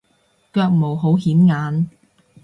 腳毛好顯眼